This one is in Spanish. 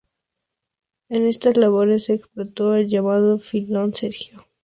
En estas labores se explotó el llamado filón Sergio.